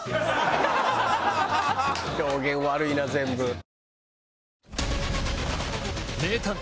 表現悪いな全部。